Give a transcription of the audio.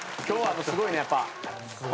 今日はすごいねやっぱ。